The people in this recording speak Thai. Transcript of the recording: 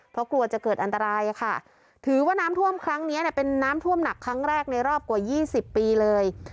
เพราะกลัวจะเกิดอันตรายค่ะถือว่าน้ำท่วมครั้งนี้เนี่ยเป็นน้ำท่วมหนักครั้งแรกในรอบกว่า๒๐ปีเลย